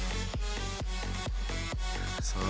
さあ。